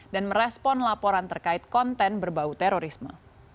dan merespon laporan terkait konten berbau terorisme